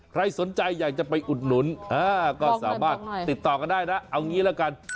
ใครสนใจอยากจะไปอุดหนุนก็สามารถติดต่อกันได้นะเอางี้ละกัน